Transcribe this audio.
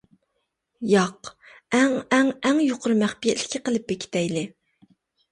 ياق، ئەڭ ئەڭ ئەڭ يۇقىرى مەخپىيەتلىكى قىلىپ بېكىتەيلى!